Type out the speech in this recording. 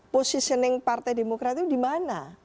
positioning partai demokrat itu dimana